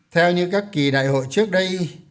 theo như các kỳ đại hội trước đây